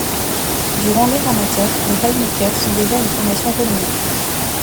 Durant l'ère amateur, les Haymakers sont déjà une formation renommée.